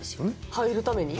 入るために？